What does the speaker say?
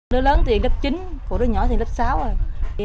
đứa lớn thì lớp chín phụ đứa nhỏ thì lớp sáu rồi